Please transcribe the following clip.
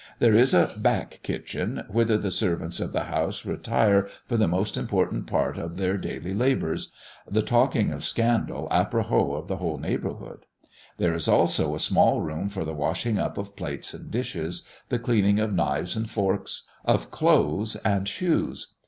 There is a back kitchen, whither the servants of the house retire for the most important part of their daily labours the talking of scandal apropos of the whole neighbourhood. There is also a small room for the washing up of plates and dishes, the cleaning of knives and forks, of clothes and shoes.